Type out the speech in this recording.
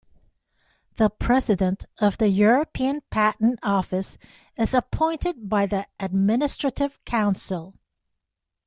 The President of the European Patent Office is appointed by the Administrative Council.